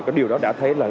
cái điều đó đã thấy là